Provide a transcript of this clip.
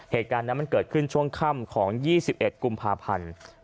เหตุการณ์นั้นมันเกิดขึ้นช่วงค่ำของ๒๑กุมภาพันธ์